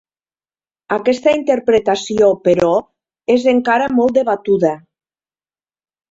Aquesta interpretació, però, és encara molt debatuda.